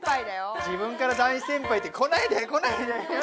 自分から大先輩って来ないで来ないで！